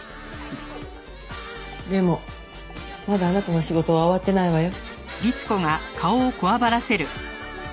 でもまだあなたの仕事は終わってないわよ。